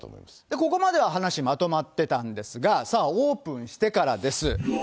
ここまで話はまとまってたんですが、さあ、オープンしてからです。